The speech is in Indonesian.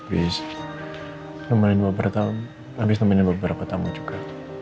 habis temanin beberapa tamu juga